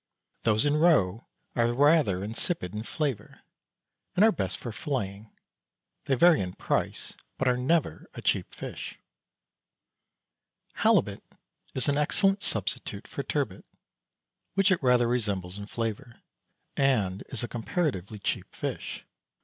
Those in roe are rather insipid in flavour, and are best for filleting. They vary in price, but are never a cheap fish. Halibut is an excellent substitute for turbot, which it rather resembles in flavour, and is a comparatively cheap fish.